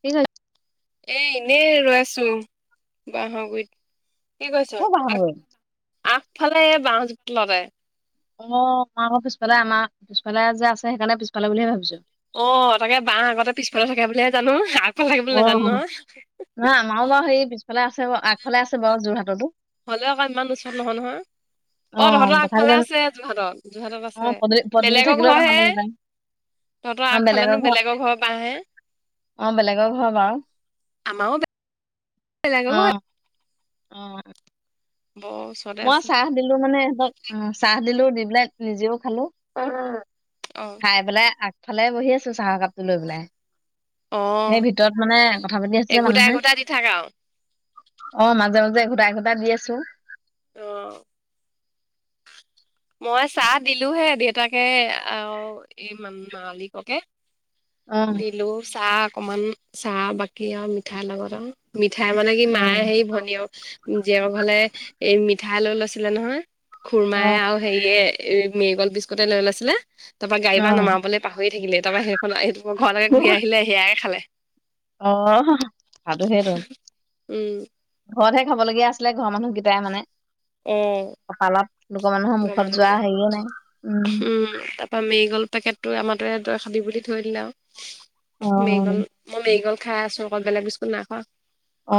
কি [unintelligible] এ এনেই ৰৈ আছো বাঁহ গুৰিত। কি কৰিছ? ক'ৰ পৰা আগ [inaudible] হ'ল? আগফালে এই বাঁহ জোপা তলতে। [inaudible] অঁ! আমাৰ আকৌ পিছফালে আমাৰ পিছফালে যে আছে সেইকাৰণে পিছফালে বুলিয়ে ভাবিছো। [inaudible] অ! তাকে বাঁহ আগতে পিছফালে থাকে বুলিহে জানো, আগ [inaudible] অঁ! [unintelligible] আমাৰো বাৰু সেই পিছফালে আছে বাৰু আগফালে আছে বাৰু যোৰহাটতো। [inaudible] হ'লেও আকৌ ইমান ওচৰত নহয়-নহয়। [unintelligible] অ! তহঁতৰ তথাপি মানে আগফালে আছে যোৰহাটত। যোৰহাটত অ', আছে, পদূলি পদূলি বেলেগৰ থাকিলেও ঘৰ বাহা হে [unintelligible] নাযায় তহঁতৰ অ আগফালে ন ঘৰ বেলেগৰ ঘৰৰ বাঁহ হে। সিহঁতৰ ঘৰৰ বাৰু আমাৰো বেলেগৰ অ অ অ, ঘৰ অ অ অ আহ্। বহুত। মই চাহ দিলো মানে সিহঁতক উম উ উ চাহ দিলো দি পেলাই নিজেও খালো উমহ উ উ। অ অ। চাই পেলাই আগফালে বহি আছো চাহৰ কাপটো লৈ পেলাই। অ সেই ভিতৰত মানে কথা পাতি আছে এঘোটা মানুহে। এঘোটা দি থাক আৰু অ মাজে মাজে ঘুটাই ঘুটাই দি আছো। অ অ অ অ। মই চাহ দিলো সেই দেউতাকে আৰু এই মাম মালিককে। অ দিলো চাহ অকমান চাহ বাকী আৰু মিঠাই লগত আৰু মিঠাই মানে কি মায়ে অ সেই ভনীয়েক এ এ এ জীয়েকৰ ঘৰলে এ এ এ এই মিঠাই লৈ লৈছিলে নহয়। খুৰমাই আৰু হেৰিয়ে এ মেৰিগল বিস্কুট লৈ লৈছিলে তাৰ পৰা গাড়ী পৰা নমাবলৈ পাহৰি থাকিলে। তাৰপৰা সেই ফালৰ এই ঘৰলৈকে ঘূৰি আহিলে সেয়াইে খালে। অ অ অ অহ অহ কথাটো সেইটো। উম উ উ। ঘৰতহে খাবলগীয়া আছিলে ঘৰৰ মানুহকেইটাই মানে অ কপালত নোহোৱা মানুহৰ ঘৰৰ মুখত যোৱা মানুহকেইটাই হেৰিয়ে নাই উম উ উ। উম উ উ, তাৰ পৰা মেৰিগল পেকেটটো আমাৰটোৱে তই খাবি বুলি থৈ দিলে আৰু ইহ্ অ হি মেৰিগল। মই মেৰিগল খাই আছো অকল বেলেগ বিস্কুট নাই খোৱা।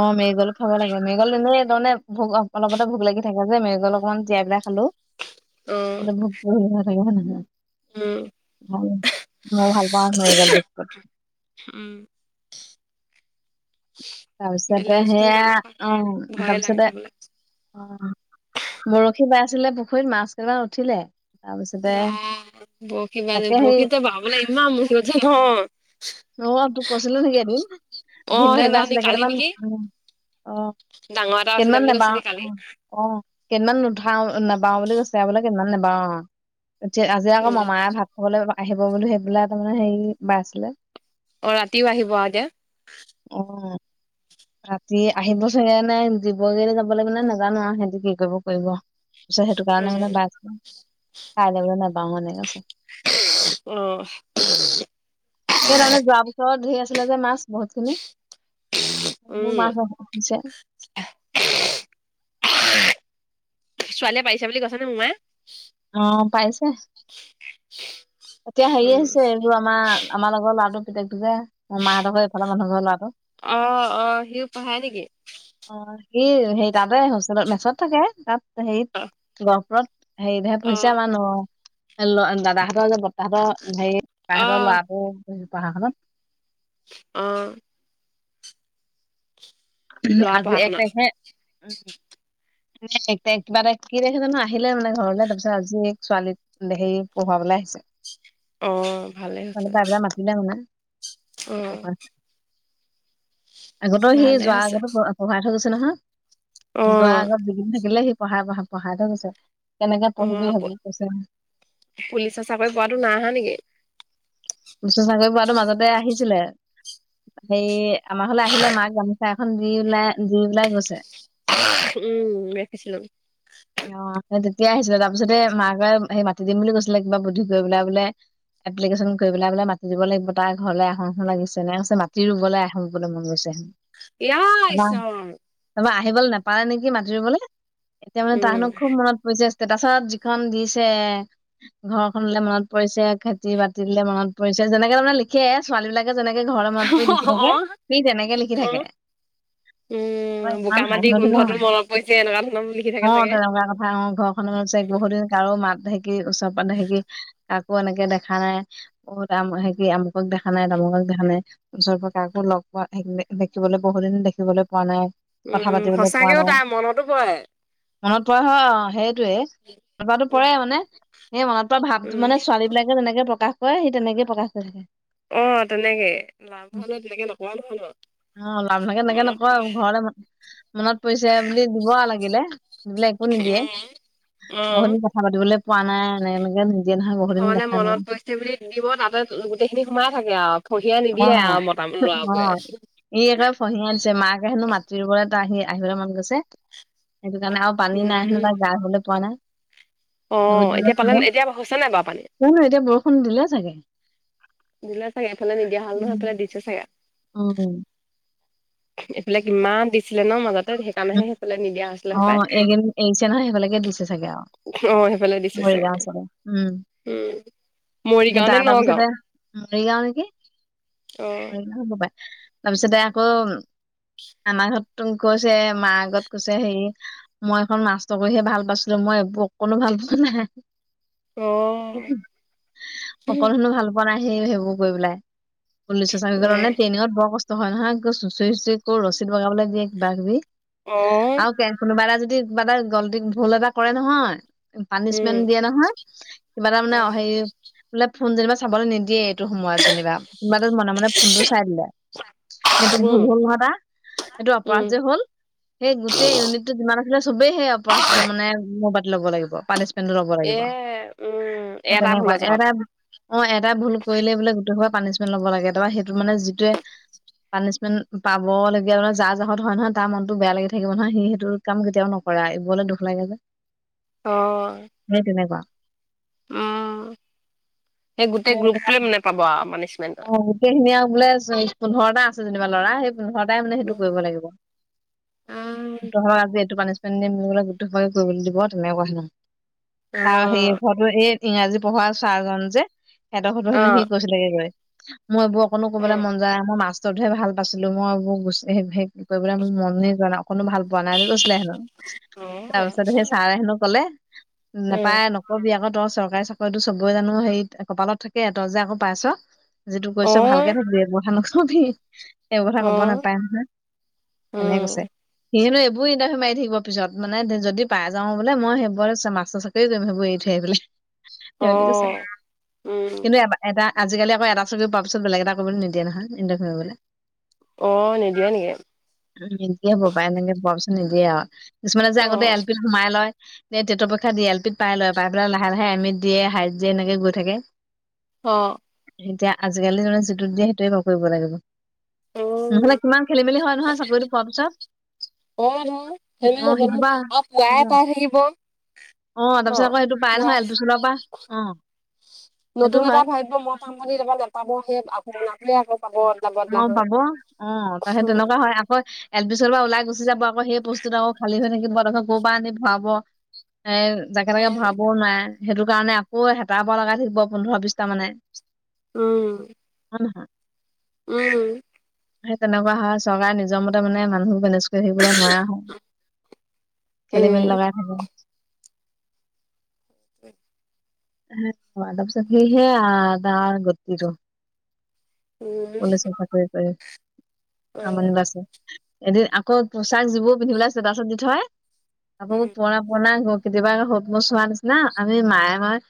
অ মেৰিগল খাব লাগে মেৰিগল এনে তাৰমানে ভোক অ অলপতে ভোক লাগি থাকে যে মেৰিগল অকমান তিয়াই পেলাই খালো। অ [unintelligible] উম খালো অ, মই ভাল পাওঁ মেৰিগল বিস্কুট। হু উম ছি ই ই। তাৰপিছতে নাই খোৱা সেয়া অ উ উ ভয়ে লাগে তাৰপিছতে খাবলৈ অ অ আহ, বৰশী বাই আছিলে পুখুৰীত মাছ কেইটামান উঠিলে। তাৰপিছতে বা আ আ বৰশী বালো তাকে সেই বৰশীটো বাবলে ইমান মানু্হ আছে লজ্জা নহয়। অ অ অ, তোক কৈছিলো নেকি এদিন অ ভিনদেউয়ে সেইদিনাখনি বাইছিলে কালি কেইটামান উম নেকি উ অ অ অ ডাঙৰ এটা উঠিলে কেইদিনমান বুলি নেবাও কৈছিলি অ কালি অ, অঁ অ। কেইদিনমান নুঠাও, নাবাও বুলি কৈছে বোলে কেইদিনমান নেবাঁও আৰু আজি আকৌ উম মমায়ে ভাত কবলৈ এই আহিব বুলি সেইবিলাক তাৰমানে হেৰি বাই আছিলে। অ ৰাতিও আহিব আৰু এতিয়া। অহ অ অ। ৰাতি আহিব চাগে নে দিবগে যাব লাগিব নে নাজানো আৰু সিহঁতে কি কৰিব কৰিব। তাৰপিত সেইটো কাৰণে উম মানে বাদ কাইলে মানে নাযাওঁ এনেকে কৈছে। ইহ অ, ইছ এহ খেহ। এই তাৰমানে যোৱা বছৰত ঢেৰ আছিলে যে মাছ বহুত খিনি। মোৰ উম মাছ ধৰা সময় হৈছে। [inaudible] অহ হে ই, ছোৱালীয়ে পাৰিছে বুলি কৈছে নে মোমায়ে? অ অ পাইছে। ছি আ এ এ। এতিয়া হেৰি আহিছে এইবোৰ আমাৰ আমাৰ লগৰ লৰাটোৰ পুতেকটো যে। মোৰ মাহঁতৰ ঘৰৰ এইফালৰ মানুহৰ ঘৰৰ লৰাটো। অ অ সিও পঢ়াই নেকি অ আৰ সি হে তাতে হোষ্টেলত মেচত থাকে তাত হে অ গহপুৰত। হেৰি ধেৰ অ পইছা মানুহ এ ল এ দাদাহঁতৰ যে ব তাহাঁতৰ হেৰি অ তহঁতৰ ল'ৰাটোৰ পঢ়াখনত অ। উম ল'ৰা আজি পঢ়া এক শুনাত তাৰিখে উম। এক তাৰিখ কিবা এটা কি দেখে জানো আহিলে মানে ঘৰলে তাৰপিছত আজি ছোৱালী হেৰি পঢ়ুৱাবলৈ আহিছে। অ ভালে মানে হৈছে। অ [unintelligible] আগতো সি ভালে যোৱাৰ হৈছে আগতো পঢ়াই থৈ গৈছে নহয়, অ যোৱাৰ আগত দুদিন থাকিলে সি পঢ়াই প পঢ়াই থৈ গৈছে। কেনেকে অ পঢ়িবি সেইবোৰো কৈছে। পুলিচৰ চাকৰি পোৱাটো নাই অহা নেকি? পুলিচৰ চাকৰি পোৱাটো মাজতে আহিছিলে। হেৰি আমাৰ ঘৰলে আহিলে মাক গামোচা এখন দি ওলাই দি ওলাই গৈছে। উম দেখিছিলো। [inaudible] অ সেই তেতিয়া আহিছিলে তাৰপিছতে মাকে সেই মাতি দিম বুলি কৈছিলে কিবা বুদ্ধি কৰি পেলাই বোলে এপ্লিকেশন গৈ পেলাই বোলে মাতি দিব লাগিব, তাইৰ ঘৰলে আহো আহো লাগিছে, মাটি ৰুবলৈ আহিবলে মন গৈছে হেনো। ইয়া ইছৰ! তাৰপৰা আহিবলৈ নাপালে নেকি মাতিৰিবলৈ, এতিয়া মানে উম তাৰহেনো খুব মনত ষ্টেটাচত যিখন দিছে ঘৰখনলৈ মনত পৰিছে খেতি-বাতি লে মনত পৰিছে, যেনেকে তাৰমানে লিখে ছোৱালী বিলাকে যেনেকে ঘৰৰ মনত পৰি লিখি থাকে অ সেই তেনেকে লিখি অ থাকে। ই উম বোকা ইমান মাটি হাঁহি গোন্ধটো নহয়। মনত পৰিছে এনেকুৱা ধৰণৰ লিখি অ থাকে চাগে তেনেকুৱা কথা অ ঘ বহুত দিন কাৰো মাত ধেকি ওচৰ পৰা ধেকি কাকো এনেকে দেখা নাই অ তাম সে কি আমুকক দেখা নাই, তামুকক দেখা নাই, ওচৰ পৰা কাকো লগ পোৱা দেখিবলৈ বহুত দিন দেখিবলৈ পোৱা নাই কথা উম পাতিবলৈ পোৱা সঁচাকেও নাই তাৰ মনতো পৰে। মনত পৰা হয় অ সেইটোৱে। উম পৰে মানে সেই মনত পৰা ভাৱটো উম মানে ছোৱালী বিলাকে তেনেকে প্ৰকাশ সি তেনেকে প্ৰকাশ কৰি থাকে। অ তেনেকে লাভো [unintelligible] অ লাভ লাগে থাকে তেনেকে নকয়, ঘৰৰে মনত পৰিছে বুলি দিব আৰু লাগিলে। এইবিলাক একো নিদিয়ে। উম বহুত অ দিন কথা পাতিবলৈ পোৱা নাই এনে এনেকে নিদিয়ে নহয়, বহুত দিন দেখা নাই সেইবুলি নিদিব তাতে গোটেইখিনি সোমাই থাকে আৰু থহিয়ে অ নিদিয়ে আৰু মতা অ ল'ৰাবোৰে। ই একে ফহিয় দিছে মাকে হেনো মাটি ৰুবলে আহি আহিবলে মন গৈছে সেইটো কাৰণে আউ পানী নাই নো উম গা হ'লে পোৱা নাই। অ এতিয়া পালে এতিয়া হৈছে নাই বাৰু পানী? [unintelligible] নো এতিয়া বৰষুণ দিলে চাগে। দিলে চাগে এইফালে নিদিয়া হাল নহয় সেইফালে দিছে চাগে। উম। এইবিলাক ইমান দিছিলে ন মাজত সেইকাৰণেহে সেইফালে নিদিয়া হৈছিলে অ সে পায়। এইকেইদিন এৰিছে নহয় সেইফালেকে দিছে চাগে আৰু অ সেইফালে দিছে মৰিগাঁও চাগে। চাইডে উম উম সেই মৰিগাঁও নে তাৰ নগাঁও? তাৰপিছতে মৰিগাঁও নেকি, অ'। মৰিগাঁও হ'ব পাৰে। তাৰপিছতে আকৌ, আমাৰ ঘৰত কৈছে, মাৰ আগত কৈছে হেৰি মই এখন মাছত কৰিহে ভাল পাইছিলো, মই এইবোৰ অকোনো ভাল পোৱা নাই। অ', অকল, হেনো ভাল। য়া, নাই সি, সেইবোৰ কৰি পেলাই, পুলিচৰ চাকৰি অ'। কাৰণে ট্ৰেইনিঙত বৰ কষ্ট। হয়, নহয়, একে চোছৰি চোছৰি ক, ৰছিত বগাবলে দিয়ে, কিবা-কিবি, অ', আৰু কেন কোনোবা এটাই যদি কিবা গলটিত ভুল এটা কৰে, নহয়। পানিচমেন্ট উম। দিয়ে নহয়, কিবা তাৰ মানে উম। হেৰি, বোলে ফোন যেনিবা চাবলৈ নিদিয়েই। সটো সময়ত যেনিবা, কোনোবাটো মনে, মনে ফোনটো চাই দিলে, সেইটো ভুল উম, হ'ল নহয়, তা উম। অপৰাধ যে হ'ল। সেই গোটেই ইউনিট টো, যিমান আছিলে চবেই সেই অপৰাধটো মানে, মোৰপাতি ল'ব লাগিব, পানি ন, তো ল'ব এ লাগিব, উম, সেই এটা ভুলৰ তেনেকুৱা, জহত। এয়াত অ, এটা ভুল কৰিলে বোলে, গোটেই সোপাই পানিছমেণ্ট ল'ব লাগে, তাৰা সেইটো মানে যিটোৱে পানিছমেন্ট পাবলগীয়া, জা ত, হয় নহয়,, তাৰ মনতো বেয়া লাগি থাকিব নহয়, সি সেইটো কাম কেতিয়াও নকৰে আৰু, এইবোৰলৈ দুখ লাগে যে। অ, সেই, তেনেকুৱা। উম, সেই গোটেই গ্ৰুপটোৱে মানে, পাব আৰু পালিছমেণ্ট। সেই খিনি আৰু বোলে চ, পোন্ধৰটা আছে যেনিবা ল'ৰা, সেই পোন্ধৰটাই মানে সেইটো কৰিব লাগিব, অ', তহৰ আজি এইটো পান [inaudible] গোট সোপাকে কৰিবলৈ দিব, তেনেকুৱা কথা নহয়, তাৰ হেৰি অ', হ এই ইংৰাজী পঢ়োৱা ছাৰ জন যে, সেহেঁতৰ ঘৰতো হেনো, সি অ'। গৈছিলে‌ ৰেলোৱা মই এইবোৰ অকনো কবলৈ অ', মন যায় নাই, মই মাছতৰ টোহে ভাল পাইছিলো, মই এইবোৰ গো [inaudible] কৰিবলে মোৰ মনে যোৱা নাই, অকনো ভাল বনাই দি কৈছিলে হেনো, তাৰপিছত সেই চাৰে হেনো ক'লে, নোপায় ন কবি আকৌ তই চৰকাৰী, চাকৰিতো চবে জানো হেৰি, কপালত থাকে,, তই যে আকৌ পাইছ। যিটো কৈছে অ', ভালকে থাকিবি, এইবোৰ কথা নকবি। এইবোৰ কথা ক'ব নাপায় নহয়, এনেকে কৈছে। সিনো এইবোৰ ইণ্টাৰভিউ মাৰি থাকিব পিছত, মানে যদি পাই যাওঁ, বোলে মই সেইবোৰ মাচত [inaudible] থৈ পেলাই, সেনেকে কৈছে। উম, কিন্তু এ, এটা আজিকালি আকৌ, এটা চাকৰি পোৱা পিছত বেলেগ এটা কৰিবলৈ নিদিয়ে নহয়, ইন্টাৰভিউ মাৰিবলৈ। অ, নিদিয়া নেকি? নিদিয়ে ব, পাই এনেকে বৰ বেছি নিদিয়ে আৰু কিছুমানে যে আগতে অ', এল, পিত সোমাই লয়। এই টেতৰ পৰক্ষা দি এল, পিত, পাই লয়। পাই পেলাই লাহে, লাহে, এমে ত দিয়ে, হাই দি, এনেকে গৈ থাকে। অ, এতিয়া আজিকালি জাননে, যিটোত দিয়ে সেইটোয়ে ক'ব পাৰিব লাগিব। উম, নহ'লে ইমান খেলি- মেলি হয়, নহয় চাকৰিটো পোৱাৰ পিছত। অ, ন, অ সেমেলি হ'ব ন, সিটোপা আৰু অ পুৱাই পাই থাকিব। অ, তাৰ ন পিছত আকৌ এইটো পাই পুৱাই নহয়, এলপি স্কুলৰ পৰা অ সেইটো হয় [inaudible] অ, হয়। পাব অ, তে সেই তেনেকুৱা হয়, আকৌ এল, পি, স্কুল পৰা ওলাই গুচি যাব, আকৌ পস্তুটো আকৌ খালী হৈ থাকিব, তাৰপাছত আকৌ ক, পে আনি ভৰাব। এ, জাকে তাকে উম ভৰাবও নোৱাৰে, সেইটো কাৰণে আকৌ হেতাৰ পৰা লগাই থাকিব, পোন্ধৰ বিছটা মানে। উম, হয়, নে উম সেই তেনেকুৱা হয় চৰকাৰে নিজৰ মতে মানে মানুহবোৰ বেনেজ কৰি থাকিবলৈ নোৱাৰা হয়। খেলি মেলি লগাই থব উম সেনেকুৱা তাৰপিছত সেইহে আও তাৰ গতিতো। উম কোনে চফা কৰিব পাৰে আমনি পাইছে। এদিন আকৌ পোচাক যিবোৰ পিন্ধিবলে আছে তাৰওচৰত দি থয় আকৌ উম পুৰণা পুৰণা কেতিয়াবা আৰু সুত মুচ হোৱা নিচিনা আমি মায়ে মই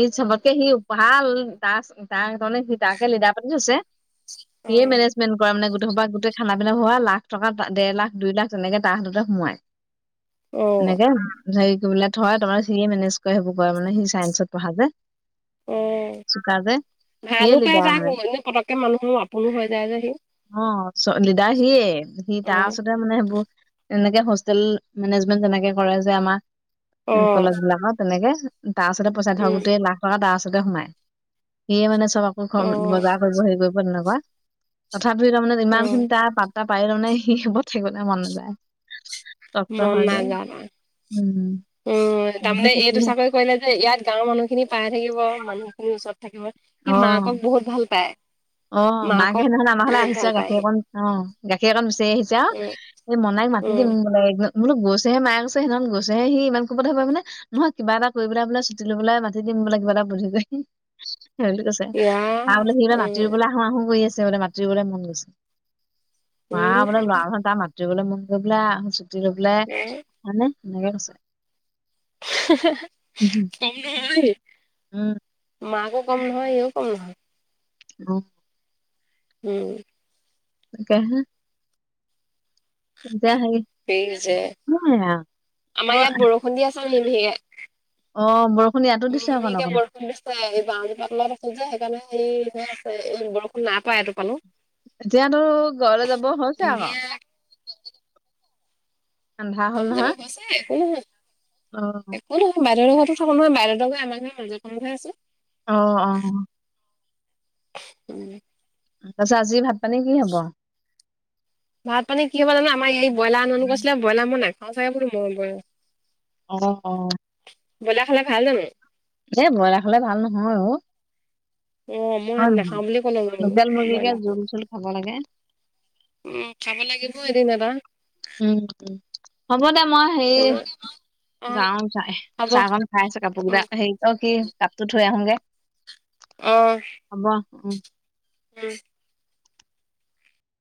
ই চবতকে সি ভাল তাৰ তাৰ মানে সি তাকে লিদাৰ পাতি থৈছে। সিয়ে উম মেনেজ মেন কৰে মানে গোটেই সোপা গোটই খানা পিনা হোৱা লাখ টকা দেৰ লাখ দুই লাখ তেনেকে তাৰ হাঁততে সোমাই। [inaudible] অ এনেকে হেৰি কৰি পেলাই থয় তোমাৰ সিয়ে মেনেজ কৰে সেইবোৰ কৰে মানে সি চাইন্সত পঢ়া যে - অ সিয়ে ভালো পায় লিডাৰ তাক মানে পতককে মানুহৰো আপোন হৈ যায় যে সি অ চ লিডাৰ সিয়ে সি অ তাৰ ওচৰত মানে সেইবোৰ এনেকে হোষ্টেল মেনেজমেন্ট তেনেকে কৰে যে অ আমাৰ কলেজ বিলাকৰ তেনেকে তাৰ ওচৰতে পইচা থয় উম গোটেই লাখ কৰা তাৰ ওচৰতে সোমাই সিয়ে মানে চব আকৌ অ খম বজাৰ কৰিব হেৰি কৰিব তেনেকুৱা। তথাপিও তাৰমানে অ ইমান খিনি তাৰ পাতা পাইও তাৰমানে সি সেইবোৰত থাকিবলৈ মন নাযায়। তপ্ত মন হয় যে নাজানা উম উম তাৰমানে এইটো চাকৰি কৰিলে ইয়াত গাঁওৰ মানুহ খিনি পাই থাকিব মানুহ খিনিৰ ওচৰত থাকিব অ সি মাকক বহুত ভাল পায়। অ মাকে মাকক সেইদিনাখন আমাৰ ঘৰলে বহুত আহিছে ভাল পায় গাখীৰ সি অকণ অ গাখীৰ অকন বিচাৰি আহিছে অ উম এই মনাইক মাতি উম দিম বোলে মই বোলোঁ গৈছেহে মায়ে গৈছে সেইনাখন গছেহে সি ইমান খো পথা পায় মানে নহয় কিবা এটা কৰি পেলাই বোলে চুটি লব বোলে মাতি দিম বোলে কিবা এটা বুধি কৰি সেই বুলি কৈছে। ইয়া আৰু বুলে সি বুলে উম আহো আহো কৰি আছে বোলে মাতিবলে মন গৈছে আ উম বোলো ল'ৰা হতা মাত বলৈ মন কৰি পেলাই আহ ছুটি লৈপেলাই আহানে সেনেকে কৈছে উম হে হে হে কম নহয় সি মাকো কম নহয় সিও কম নহয়। উম উম তাকেহে এতিয়া হেৰি তেল যে সেয়াই আৰু অ আমাৰ ইয়াত বৰষুণ দি আছে মিহি মিহিকে অ বৰষুণ ইয়াতো দিছে অকন অকন ৰিছে এই বাহজোপাৰ তলত আছো যে সেইকাৰণে হেৰি হৈ আছে বৰষুণ নাই পৰা এটোপালো এতিয়াতো ঘৰলে যাব হৈছে আৰু ধুনীয়া ভাল হৈ যাব কৈছে একো নহয় অ একো নহয় বাইদেউহতৰ ঘৰতো থব নহয় বাইদউ হতৰ ঘৰ আমাৰ ঘৰৰ মাজৰ খিনিতহে আছে। অ অ উম তাৰ পিছত আজি ভাত পানী কি হব? ভাত পানী কি হ'ব জানো আমাৰ এই ব্ৰইলাৰ আনো আনো কৰি আছিলে ব্ৰইলাৰ মই নাখাওঁ যা বোলো মই মৰিবলে অ অ ব্ৰইলাৰ খালে ভাল জানো? এ ব্ৰইলাৰ খালে ভাল নহয় অ। অ মই হয় নহয় নাখাওঁ বুলি ক'লো লোকেল মুৰ্গীকে ব্ৰইলাৰ জোল চোল খাব লাগে‌। উম চাব লাগিব এদিন এটা। উম, হ'ব দে মই সেই কিন্তু অ', যাও চাই হ'ব চাহকন খাই আছো কাপোৰ কেইটা উম, হেৰি অ' কি কাপটো থৈ আহোগে। অঁ। হ'ব উম। উম।